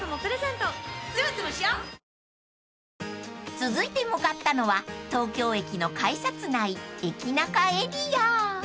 ［続いて向かったのは東京駅の改札内エキナカエリア］